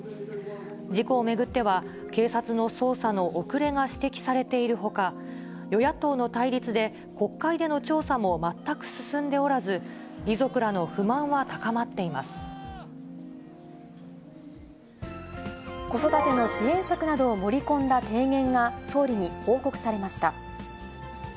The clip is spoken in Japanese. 事故を巡っては、警察の捜査の遅れが指摘されているほか、与野党の対立で、国会での調査も全く進んでおらず、遺族らの不満子育ての支援策などを盛り込んだ提言が、総理に報告されました。